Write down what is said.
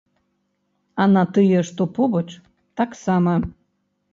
А на тыя, што побач, таксама.